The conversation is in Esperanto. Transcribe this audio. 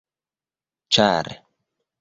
ĉar